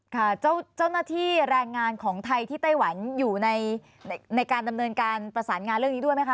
ค่ะเจ้าหน้าที่แรงงานของไทยที่ไต้หวันอยู่ในในการดำเนินการประสานงานเรื่องนี้ด้วยไหมคะ